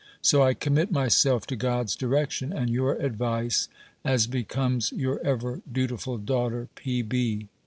So I commit myself to God's direction, and your advice, as becomes your ever dutiful daughter, P.